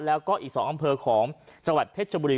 แล้วก็อีก๒อำเภอของจังหวัดเพชรชบุรี